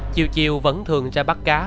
chiều chiều vẫn thường ra bắt cá